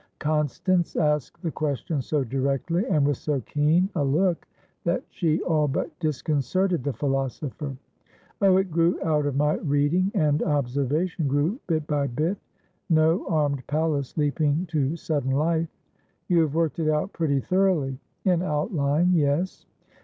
Constance asked the question so directly, and with so keen a look, that she all but disconcerted the philosopher. "Oh, it grew out of my reading and observation grew bit by bitno armed Pallas leaping to sudden life" "You have worked it out pretty thoroughly." "In outline, yes."